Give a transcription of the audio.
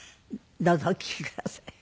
どうぞお聴きください。